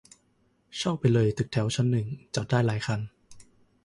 เช่าไปเลยตึกแถวชั้นหนึ่ง จอดได้หลายคัน